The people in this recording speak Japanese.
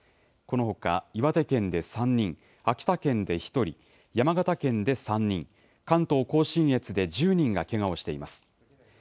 このほか、岩手県で３人、秋田県で１人、山形県で３人、関東甲信越で１０人がけがをしています。